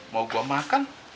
mau gua makan